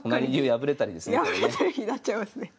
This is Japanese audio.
敗れたりになっちゃいますね。